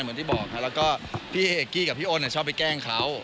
เหมือนที่บอกค่ะและพี่เอคกี้กับพี่โอนในชอบแกล้งเขา